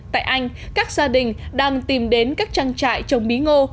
tại anh các gia đình đang tìm đến các trang trại trồng bí ngô